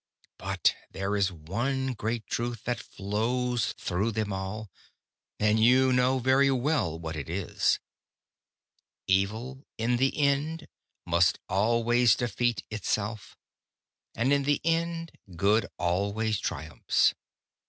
But there is one great truth that flows through them all, and you know very well what it is:—evil in the end must always defeat itself, and in the end good always triumphs.